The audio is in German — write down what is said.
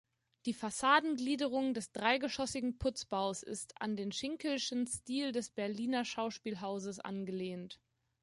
Die Fassadengliederung des dreigeschossigen Putzbaus ist an den schinkelschen Stil des Berliner Schauspielhauses angelehnt.